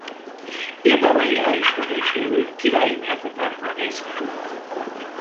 Érdemei elismeréséül királyi méltatásban részesült.